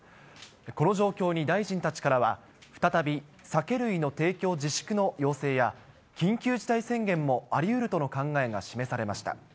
この状況に大臣たちからは、再び酒類の提供自粛の要請や、緊急事態宣言もありうるとの考えが示されました。